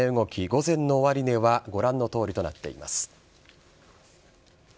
午前の終値はご覧のとおりとなっています。